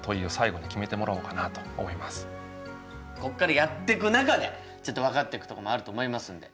こっからやってく中でちょっと分かってくところもあると思いますんで。